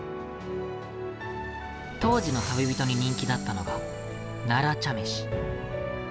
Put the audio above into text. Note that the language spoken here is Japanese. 当時の旅人に人気だったのが奈良茶飯。